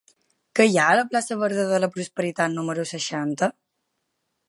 Què hi ha a la plaça Verda de la Prosperitat número seixanta?